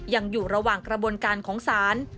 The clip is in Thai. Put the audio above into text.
ยังอยู่ระหว่างกระบวนการของศาล